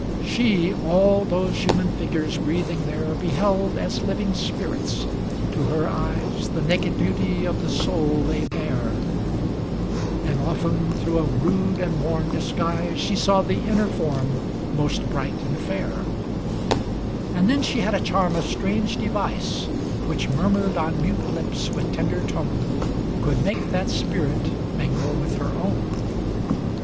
LXVI She all those human figures breathing there Beheld as living spirits; to her eyes The naked beauty of the soul lay bare; And often through a rude and worn dis guise She saw the inner form most bright and fair; And then she had a charm of strange device, Which, murmured on mute lips with tender tone. Could make that spirit mingle with her own.